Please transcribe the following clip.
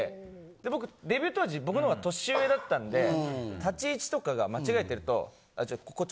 僕デビュー当時僕のが年上だったんで立ち位置とかが間違えてるとこっち